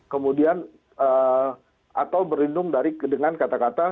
kemudian atau berlindung dengan kata kata